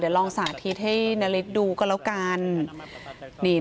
เดี๋ยวลองสถาประโยชน์ให้นริษฐ์ดูก็แล้วกัน